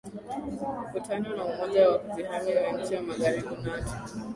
kutano wa umoja wa kujihami wa nchi za magharibi nato